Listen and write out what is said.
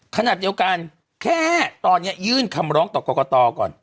ขณะเดียวกันแค่ตอนนี้ยื่นคำร้องต่อกรกตก่อน